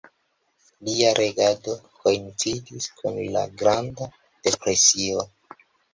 Lia regado koincidis kun la Granda Depresio.